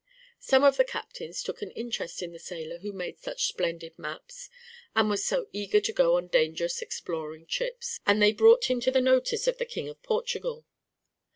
Some of the captains took an interest in the sailor who made such splendid maps and was so eager to go on dangerous exploring trips, and they brought him to the notice of the King of Portugal.